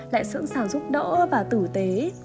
lại sẵn sàng giúp đỡ và tử tế